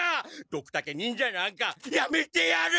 ドクタケ忍者なんかやめてやる！